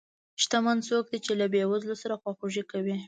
شتمن څوک دی چې له بې وزلو سره خواخوږي کوي.